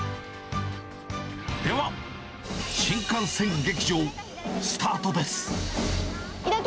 では、新幹線劇場、スタートです。